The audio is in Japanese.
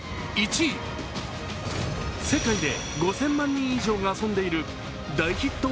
世界で５０００万人以上が遊んでいる大ヒット